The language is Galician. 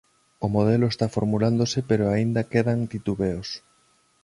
O modelo está formulándose pero aínda quedan titubeos.